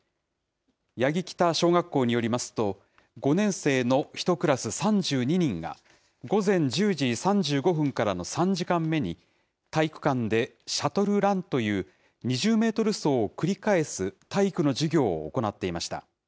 八木北小学校によりますと、５年生の１クラス３２人が、午前１０時３５分からの３時間目に、体育館でシャトルランという、２０メートル走を繰り返す体育の授業を行っていました。